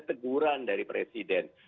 teguran dari presiden